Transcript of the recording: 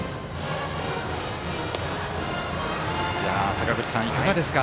坂口さん、いかがですか？